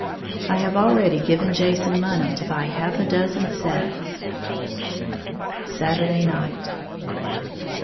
I have already given Jason money to buy half a dozen sets. _Saturday Night.